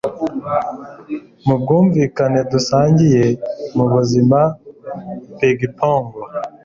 Kubwumvikane dusangiye mubuzima pingpong